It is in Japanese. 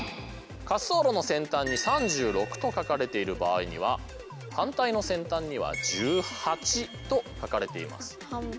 滑走路の先端に「３６」と書かれている場合には反対の先端には「１８」と書かれています。